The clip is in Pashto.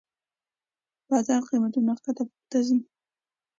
بازار قېمتونه کښته پورته ځي.